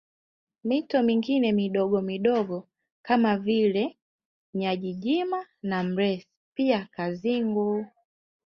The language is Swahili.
Mito mingine midogomidogo kama vile Nyajijima na Mresi pia Kazingu